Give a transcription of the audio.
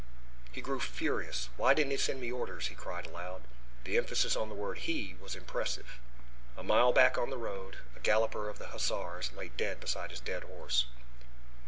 He grew furious. "Why didn't he send me orders?" he cried aloud. The emphasis on the word "he" was impressive. A mile back on the road a galloper of the Hussars lay dead beside his dead horse.